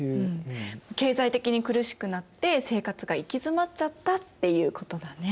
経済的に苦しくなって生活が行き詰まっちゃったっていうことだね。